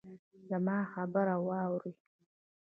زما خبره واورئ